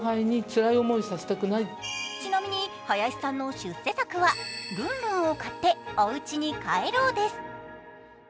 ちなみに林さんの出世作は、「ルンルンを買っておうちに帰ろう」です。